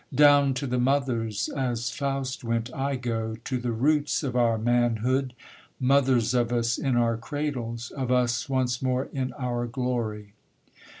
Down to the mothers, as Faust went, I go, to the roots of our manhood, Mothers of us in our cradles; of us once more in our glory.